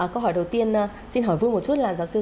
câu hỏi đầu tiên xin hỏi vui một chút là